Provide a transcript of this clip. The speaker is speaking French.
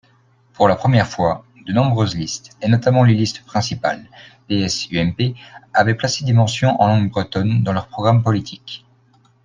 Pour la première fois, de nombreuses listes, et notamment les listes principales (PS, UMP), avaient placé des mentions en langue bretonne dans leurs programmes politiques.